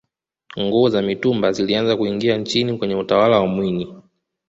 nguo za mitumba zilianza kuingia nchini kwenye utawala wa mwinyi